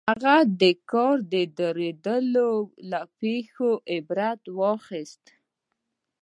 هغه د کار د درېدو له پېښې عبرت واخيست.